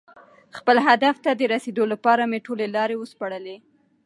خپل هدف ته د رسېدو لپاره مې ټولې لارې وسپړلې.